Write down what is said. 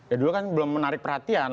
ya dulu kan belum menarik perhatian